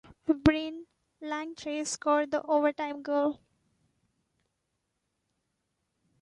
Brian Langtry scored the overtime goal.